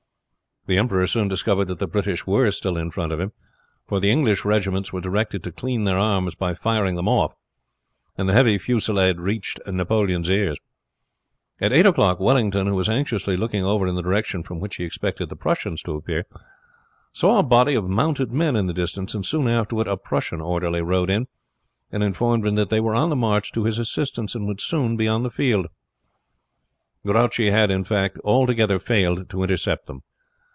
The emperor soon discovered that the British were still in front of him; for the English regiments were directed to clean their arms by firing them off, and the heavy fusillade reached Napoleon's ears. At eight o'clock Wellington, who was anxiously looking over in the direction from which he expected the Prussians to appear, saw a body of mounted men in the distance, and soon afterward a Prussian orderly rode in and informed him that they were on the march to his assistance, and would soon be on the field. Grouchy had, in fact, altogether failed to intercept them.